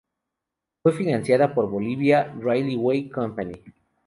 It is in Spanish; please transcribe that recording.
Fue financiada por la Bolivia Railway Company.